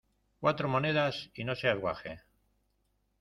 ¡ cuatro monedas y no seas guaje!...